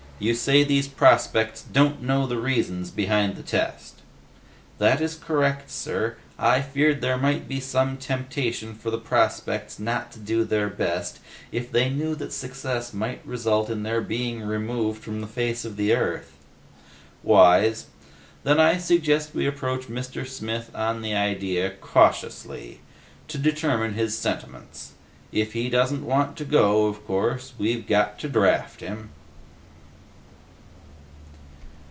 You say these prospects don't know the reasons behind the test?" "That is correct, sir. I feared there might be some temptation for the prospects to not do their best, if they knew that success might result in their being removed from the face of the Earth." "Wise. Then I suggest we approach Mr. Smith on the idea, cautiously, to determine his sentiments. If he doesn't want to go, of course, we've got to draft him."